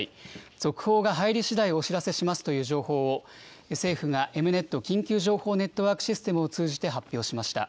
続報が入りしだいお知らせしますという情報を、政府がエムネット・緊急情報ネットワークシステムを通じて発表しました。